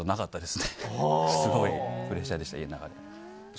すごいプレッシャーでした。